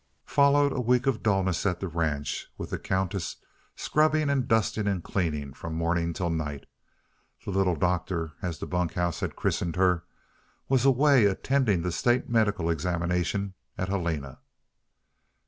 Followed a week of dullness at the ranch, with the Countess scrubbing and dusting and cleaning from morning till night. The Little Doctor, as the bunk house had christened her, was away attending the State Medical Examination at Helena.